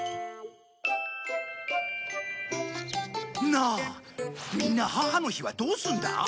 なあみんな母の日はどうすんだ？